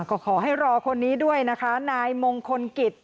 ก็ขอให้รอคนนี้ด้วยนะคะนายมงคลกิจ